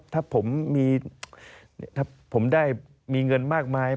ถ้าผมได้มีเงินมากมาย